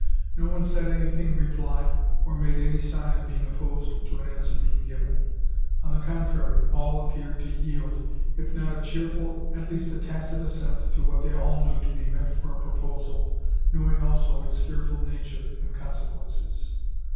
No one said anything in reply, or made any sign of being opposed to an answer being given. On the contrary, all appeared to yield, if not a cheerful, at least a tacit assent to what they all knew to be meant for a proposal, knowing also its fearful nature and consequences.